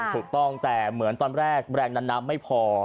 ถูกต้องแต่เหมือนตอนแรกแรงดันน้ำไม่พอ